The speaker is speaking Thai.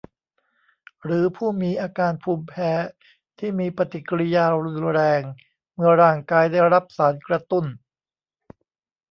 หรือผู้มีอาการภูมิแพ้ที่มีปฏิกิริยารุนแรงเมื่อร่างกายได้รับสารกระตุ้น